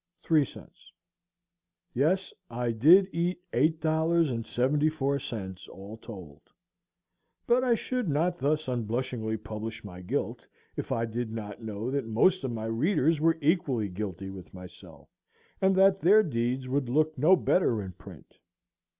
0.03 Yes, I did eat $8.74, all told; but I should not thus unblushingly publish my guilt, if I did not know that most of my readers were equally guilty with myself, and that their deeds would look no better in print.